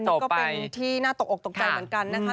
นี่ก็เป็นที่น่าตกออกตกใจเหมือนกันนะคะ